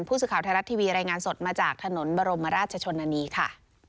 ผู้สื่อข่าวไทยรัฐทีวีรายงานสดมาจากถนนบรมราชชนนานีค่ะ